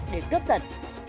để cướp giật